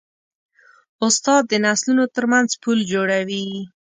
استاد د نسلونو ترمنځ پل جوړوي.